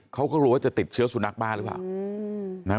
เขาก็กลัวว่าจะติดเชื้อสุนัขบ้านหรือเปล่า